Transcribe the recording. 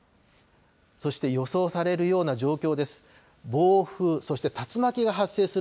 そして予想されるような状況です。